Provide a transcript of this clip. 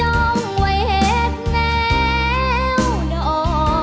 โรงได้ยกกำลังสร้า